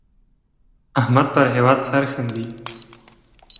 احمد پر هېواد سرښندي.